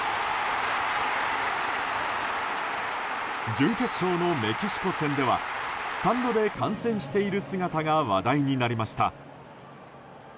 準決勝のメキシコ戦ではスタンドで観戦している姿が話題になりました。